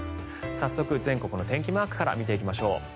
早速、全国の天気マークから見ていきましょう。